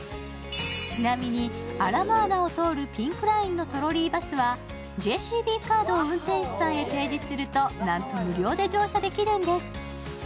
ちなみにアラモアナを通るピンクラインのトロリーバスは、ＪＣＢカードを運転手さんに提示するとなんと無料で乗車できるんです。